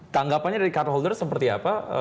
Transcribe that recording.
tanggapannya dari car holder seperti apa